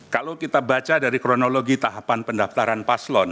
kalau kita baca dari kronologi tahapan pendaftaran paslon